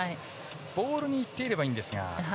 ボールに行っていればいいんですが。